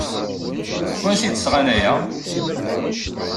Seg wansi ay d-sɣan aya?